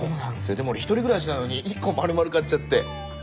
でも俺１人暮らしなのに１個丸々買っちゃって。